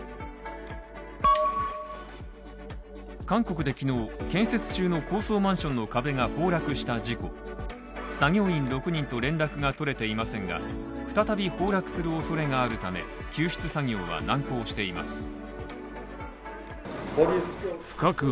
韓国で昨日、建設中の高層マンションの壁が崩落した事故作業員６人と連絡が取れていませんが、再び崩落する恐れがあるため、救出作業は難航しています。